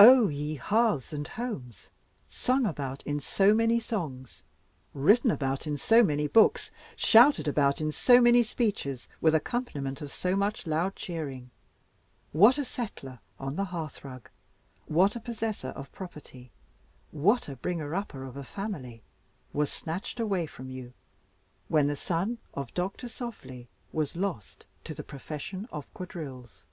Oh! ye hearths and homes sung about in so many songs written about in so many books shouted about in so many speeches, with accompaniment of so much loud cheering: what a settler on the hearth rug; what a possessor of property; what a bringer up of a family, was snatched away from you, when the son of Dr. Softly was lost to the profession of Quadrilles!